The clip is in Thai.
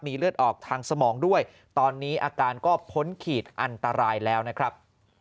เลือดออกทางสมองด้วยตอนนี้อาการก็พ้นขีดอันตรายแล้วนะครับ